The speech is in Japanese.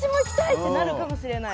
ってなるかもしれない